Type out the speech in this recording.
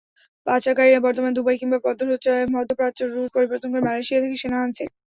পাচারকারীরা বর্তমানে দুবাই কিংবা মধ্যপ্রাচ্য রুট পরিবর্তন করে মালয়েশিয়া থেকে সোনা আনছে।